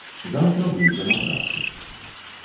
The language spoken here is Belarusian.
Заўтра выйдзе на працу.